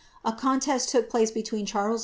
A contest took place be tween Charles V.